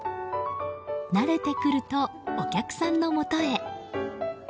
慣れてくるとお客さんのもとへ。